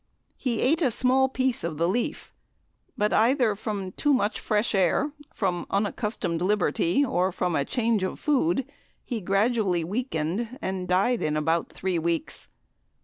He ate a small piece of the leaf, but either from too much fresh air, from unaccustomed liberty, or from change of food, he gradually weakened, and died in about three weeks.